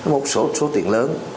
một số tiền lớn